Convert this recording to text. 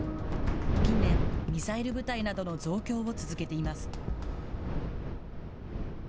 近年、ミサイル部隊などの増強を続けています。